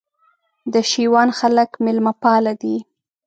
د شېوان خلک مېلمه پاله دي